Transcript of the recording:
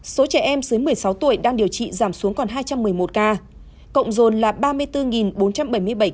số trẻ em dưới một mươi sáu tuổi đang điều trị giảm xuống còn hai trăm một mươi một ca cộng dồn là ba mươi bốn bốn trăm bảy mươi bảy ca